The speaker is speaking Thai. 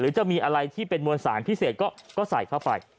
จะมีอะไรที่เป็นมวลสารพิเศษก็ใส่เข้าไป